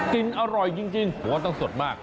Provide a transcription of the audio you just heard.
กินอร่อยจริงผมว่าต้องสดมาก